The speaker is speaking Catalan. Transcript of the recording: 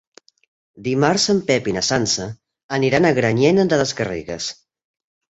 Dimarts en Pep i na Sança aniran a Granyena de les Garrigues.